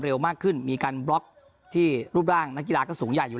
มากขึ้นมีการบล็อกที่รูปร่างนักกีฬาก็สูงใหญ่อยู่